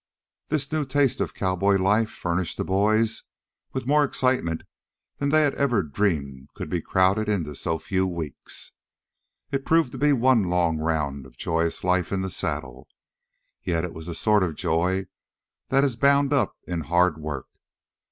This new taste of cowboy life furnished the boys with more excitement than they had ever dreamed could be crowded into so few weeks. It proved to be one long round of joyous life in the saddle, yet it was the sort of joy that is bound up in hard work.